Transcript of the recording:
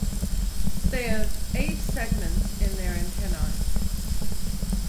They have eight segments in their antennae.